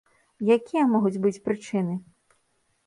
Якія могуць быць прычыны?